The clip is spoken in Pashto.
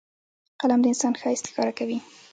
قلم د انسان ښایست ښکاره کوي